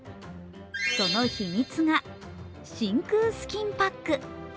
その秘密が、真空スキンパック。